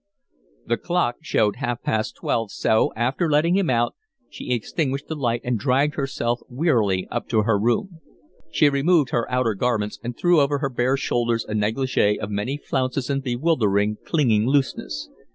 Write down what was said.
The clock showed half past twelve, so, after letting him out, she extinguished the light and dragged herself wearily up to her room. She removed her outer garments and threw over her bare shoulders a negligee of many flounces and bewildering, clinging looseness.